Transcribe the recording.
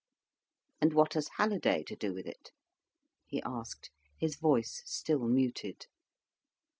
"And what has Halliday to do with it?" he asked, his voice still muted.